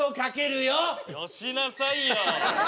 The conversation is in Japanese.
よしなさいよ。